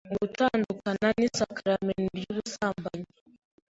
Gutandukana ni isakramentu ry'ubusambanyi.